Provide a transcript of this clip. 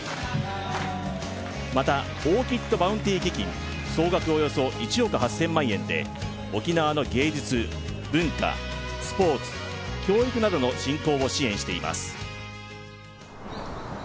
また、オーキッドバウンティ基金、総額およそ１億８０００万円で沖縄の芸術・文化・スポーツ教育などの振興を支援しています。